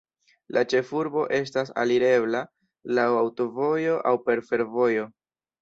La ĉefurbo estas alirebla laŭ aŭtovojo aŭ per fervojo.